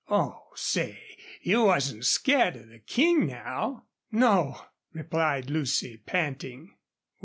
Oh, say, you wasn't scared of the King, now?" "No," replied Lucy, panting.